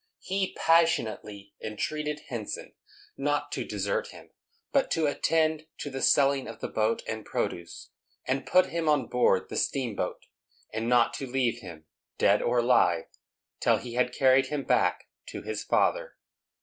He passionately entreated Henson not to desert him, but to attend to the selling of the boat and produce, and put him on board the steamboat, and not to leave him, dead or alive, till he had carried him back to his father.